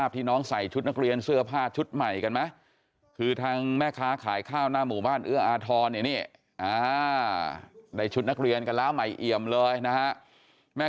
ตอนนั้นทางคุณครูเองเขาได้มีวิธีการแนะนำทางแก้ปัญหาแบบนี้บ้างไหมครับ